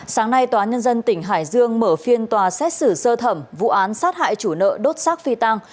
sáng nay tòa nhân dân tỉnh hải dương mở phiên tòa xét xử sơ thẩm vụ án sát hại chủ nợ đốt xác phi tăng